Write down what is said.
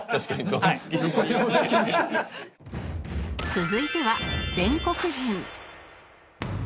続いては全国篇